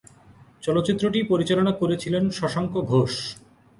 চলচ্চিত্রটি পরিচালনা করেছিলেন শশাঙ্ক ঘোষ।